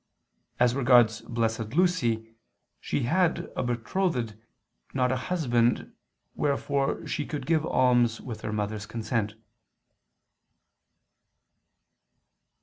As regards Blessed Lucy, she had a betrothed, not a husband, wherefore she could give alms with her mother's consent.